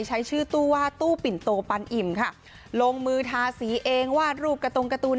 ใช้ชื่อตู้ว่าตู้ปิ่นโตปันอิ่มค่ะลงมือทาสีเองวาดรูปกระตรงการ์ตูน